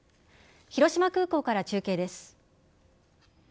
広島空港から中継です。